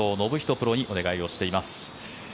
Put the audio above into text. プロにお願いをしています。